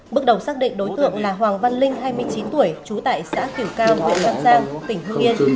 bước đầu xác định đối tượng là hoàng văn linh hai mươi chín tuổi trú tại xã kiểu cao huyện văn giang tỉnh hương yên